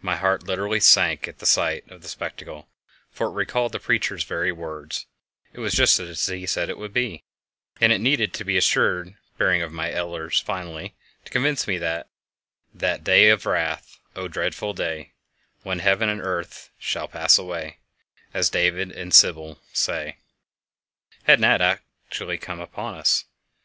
My heart literally sank at sight of the spectacle, for it recalled the preacher's very words; it was just as he had said it would be, and it needed the assured bearing of my elders finally to convince me that That Day of Wrath, O dreadful day, When Heaven and Earth shall pass away, As David and the Sibyl say had not actually come upon us.